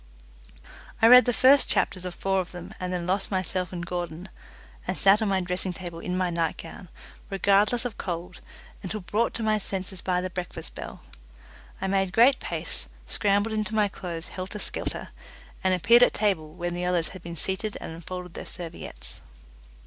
I read the first chapters of four of them, and then lost myself in Gordon, and sat on my dressing table in my nightgown, regardless of cold, until brought to my senses by the breakfast bell. I made great pace, scrambled into my clothes helter skelter, and appeared at table when the others had been seated and unfolded their serviettes.